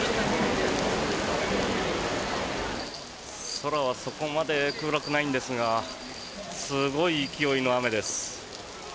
空はそこまで暗くないんですがすごい勢いの雨です。